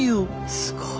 すごい！